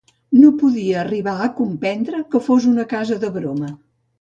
No podia arribar a comprendre que fos una casa de broma.